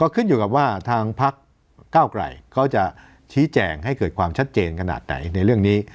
ขึ้นอยู่กับว่าทางพักเก้าไกลเขาจะชี้แจงให้เกิดความชัดเจนขนาดไหนในเรื่องนี้